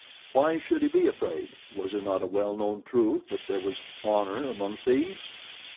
Why should he be afraid? Was it not a well known truth that there was honor among thieves?